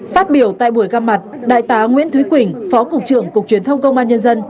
phát biểu tại buổi gặp mặt đại tá nguyễn thúy quỳnh phó cục trưởng cục truyền thông công an nhân dân